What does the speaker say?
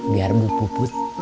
biar bu puput